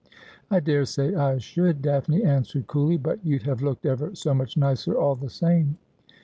' I daresay I should,' Daphne answered coolly ;' but you'd have looked ever so much nicer all the same.'